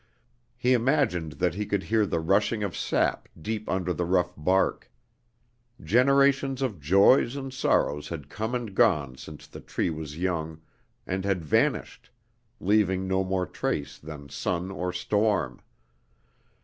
He imagined that he could hear the rushing of sap deep under the rough bark. Generations of joys and sorrows had come and gone since the tree was young, and had vanished, leaving no more trace than sun or storm.